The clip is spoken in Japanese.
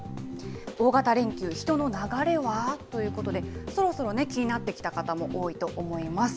大型連休、人の流れは？ということで、そろそろね、気になってきた方も多いと思います。